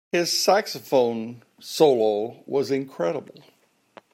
His saxophone solo was incredible.